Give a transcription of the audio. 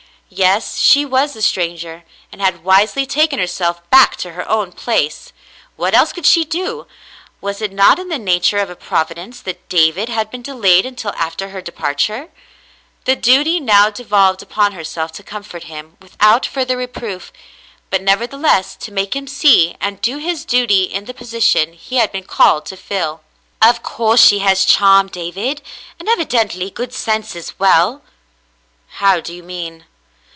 Yes, she was a stranger, and had wisely taken herself back to her own place ; what else could she do ? Was it not in the nature of a Providence that David had been delayed until after her departure ? The duty now devolved upon herself to comfort him without further reproof, but nevertheless to make him see and do his duty in the position he had been called to fill. I "Of course she has charm, David, and evidently good sense as well." "How do you mean.